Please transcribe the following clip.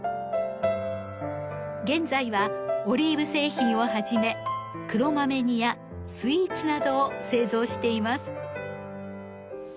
現在はオリーブ製品をはじめ黒豆煮やスイーツなどを製造しています。